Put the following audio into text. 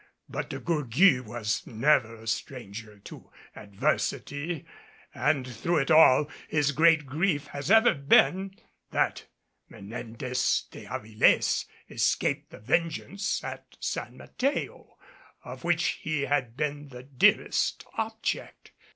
But De Gourgues was never a stranger to adversity; and through it all, his great grief has ever been that Menendez de Avilés escaped the vengeance at San Mateo, of which he had been the dearest object.